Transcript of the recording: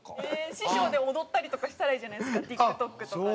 師匠で踊ったりとかしたらいいじゃないですかＴｉｋＴｏｋとかで。